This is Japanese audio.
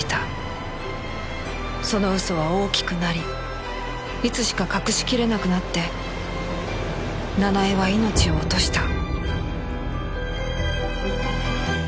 その嘘は大きくなりいつしか隠しきれなくなって奈々江は命を落とした